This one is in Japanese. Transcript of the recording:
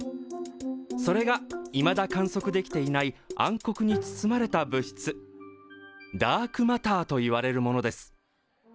それがいまだ観測できていない暗黒に包まれた物質ダークマターといわれるものです。